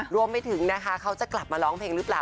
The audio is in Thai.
รวมไปถึงนะคะเขาจะกลับมาร้องเพลงหรือเปล่า